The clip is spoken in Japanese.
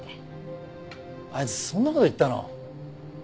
あいつそんな事言ったの？